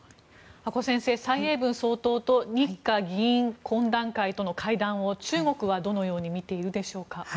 阿古先生蔡英文総統と日華議員懇談会との会談を中国はどのように見ているでしょうか。